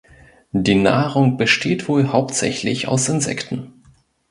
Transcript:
Die Nahrung besteht wohl hauptsächlich aus Insekten.